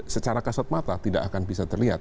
secara kasat mata tidak akan bisa terlihat